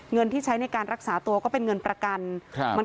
เงินที่ใช้ในการรักษาตัวก็เป็นเงินประกัน